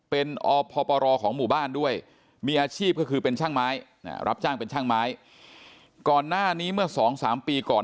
เป็นช่างไม้รับจ้างเป็นช่างไม้ก่อนหน้านี้เมื่อสองสามปีก่อน